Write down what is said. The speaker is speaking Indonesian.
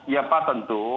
ya pak tentu